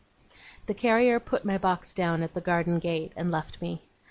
The carrier put my box down at the garden gate, and left me.